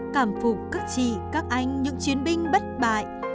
cảm phục các chị các anh những chiến binh bất bại